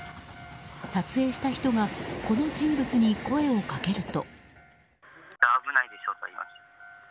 撮影した人がこの人物に声をかけると。